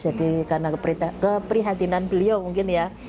jadi karena keprihatinan beliau mungkin ya